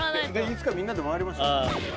いつかみんなで回りましょう。